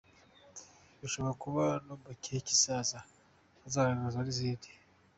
Bishoboka ko no mu gihe kizaza hazagaragazwa n’izindi.